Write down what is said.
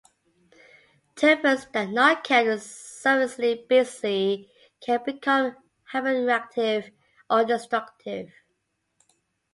Tervurens that are not kept sufficiently busy can become hyperactive or destructive.